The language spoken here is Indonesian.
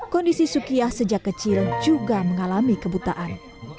kondisi sukiyah sejak kecil juga mengalami kebutaan